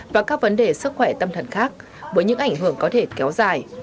và các vấn đề sức khỏe tâm thần khác với những ảnh hưởng có thể kéo dài